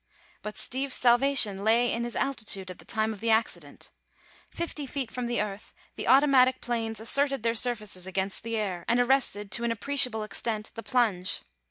But Steve's salvation lay in his altitude at the time of the accident. Fifty feet from the earth the automatic planes asserted their surfaces against the air and arrested, to an appreciable extent, the plunge.